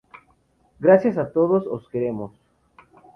Gracias a todos os queremos.